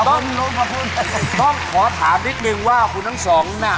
ต้องขอถามนิดนึงว่าคู่นั้นสองน่ะ